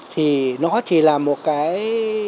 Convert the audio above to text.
thì nó chỉ là một cái